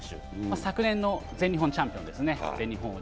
昨年の全日本チャンピオンですね、全日本王者。